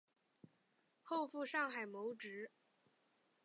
后赴上海谋职。